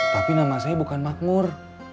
tapi nama saya bukan makmur